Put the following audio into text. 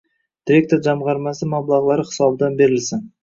Direktor jamgʻarmasi mablagʻlari hisobidan berilsin